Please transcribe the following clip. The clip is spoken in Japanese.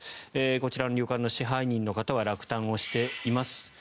こちらの旅館の支配人の方は落胆をしています。